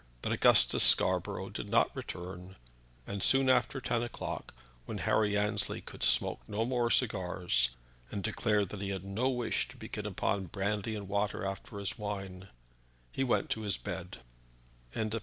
But Augustus Scarborough did not return, and soon after ten o'clock, when Harry Annesley could smoke no more cigars, and declared that he had no wish to begin upon brandy and water after his wine, he went to his bed.